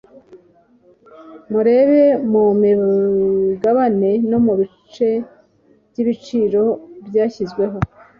murebe mu migabane no mu bice by ‘ibiciro byashyizweho.